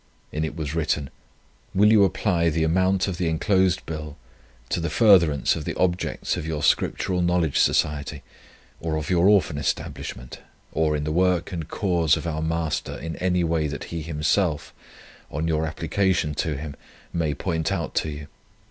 In it was written: "Will you apply the amount of the enclosed bill to the furtherance of the objects of your Scriptural Knowledge Society, or of your Orphan Establishment, or in the work and cause of our Master in any way that He Himself, on your application to Him, may point out to you.